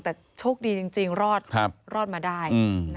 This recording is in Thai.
แต่โชคดีจริงรอดมาได้